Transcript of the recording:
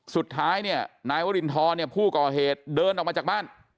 สุดท้ายเนี่ยนายวรินทรเนี่ยผู้ก่อเหตุเดินออกมาจากบ้าน